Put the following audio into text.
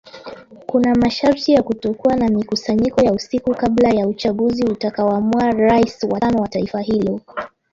Kuna masharti ya kutokuwa na mikusanyiko ya usiku kabla ya uchaguzi utakao amua rais wa tano wa taifa hilo